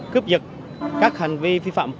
cướp dịch các hành vi vi phạm